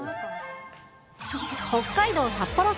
北海道札幌市。